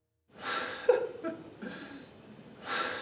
フフフ。